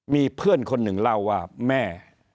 มีเพื่อนคนหนึ่งเล่าว่าแม่